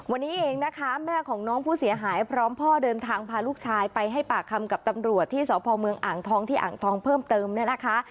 วันนี้เองนะคะแม่ของน้องผู้เสียหายพร้อมพ่อเดินทางพาลูกชายไปให้ปากคำกับตำรวจที่สพเมืองอ่างทองที่อ่างทองเพิ่มเติมเนี่ยนะคะ